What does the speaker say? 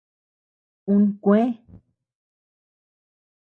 Un kúë.